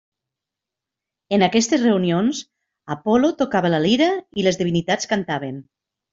En aquestes reunions, Apol·lo tocava la lira i les divinitats cantaven.